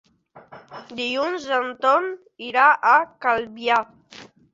Dilluns en Ton irà a Calvià.